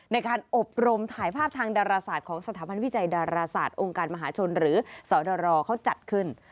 ในการอบรมถ่ายภาพทางดาราศาสตร์ของสถาบันวิจัยดาราศาสตร์องค์การมหาชนหรือสอดรเขาจัดขึ้น